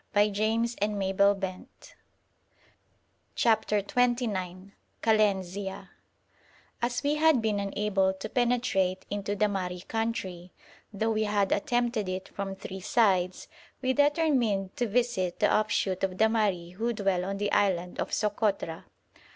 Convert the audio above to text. ] THE MAHRI ISLAND OF SOKOTRA CHAPTER XXIX KALENZIA As we had been unable to penetrate into the Mahri country, though we had attempted it from three sides, we determined to visit the offshoot of the Mahri who dwell on the island of Sokotra.